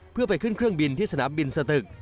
เพื่อไปขึ้นเครื่องบินที่สนามบินสตึก